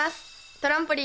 トランポリン